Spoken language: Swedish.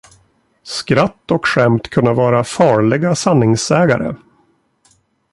Skratt och skämt kunna vara farliga sanningssägare.